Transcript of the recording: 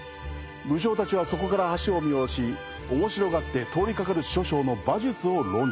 武将たちはそこから橋を見下ろし面白がって通りかかる諸将の馬術を論じていた。